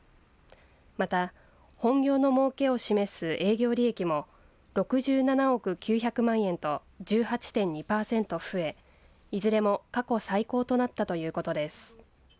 また本業のもうけを示す営業利益も６７億９００万円と１８．２パーセント増えいずれも過去最高となったということです。